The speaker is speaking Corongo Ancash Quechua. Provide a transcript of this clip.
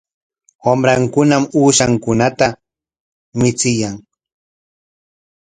Wamrankunam uushankunata michiyan.